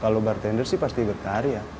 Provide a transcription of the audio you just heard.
kalau bartender sih pasti bertarya